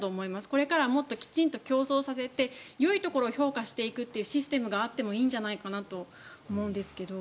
これからはきちんと競争させてよいところを評価していくシステムがあってもいいんじゃないかと思うんですが。